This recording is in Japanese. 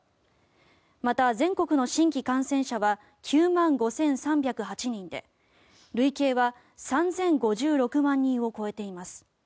また、全国の新規感染者は９万５３０８人で累計は３０５６万人を超えています。